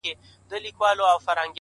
که په سېلونو توتکۍ وتلي-